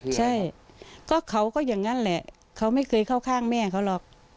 ใช่ก็เขาก็อย่างนั้นแหละเขาไม่เคยเข้าข้างแม่เขาหรอก